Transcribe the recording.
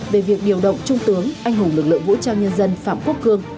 về việc điều động trung tướng anh hùng lực lượng vũ trang nhân dân phạm quốc cương